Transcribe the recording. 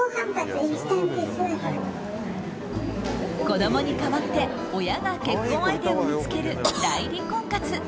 子供に代わって親が結婚相手を見つける代理婚活。